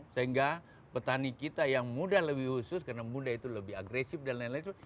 sehingga petani kita yang muda lebih khusus karena muda itu lebih agresif dan lain lain